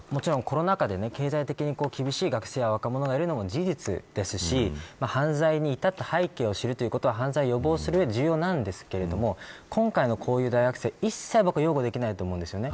もちろんコロナ禍で経済的に厳しい若者がいるのは事実ですし犯罪に至った背景を知るということは犯罪を予防する上で重要なんですが今回のこういう大学生一切擁護できないと思います。